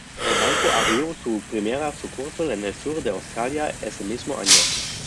El banco abrió su primera sucursal en el sur de Australia ese mismo año.